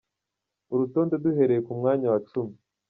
Urutonde duhereye ku mwanya wa cumi:.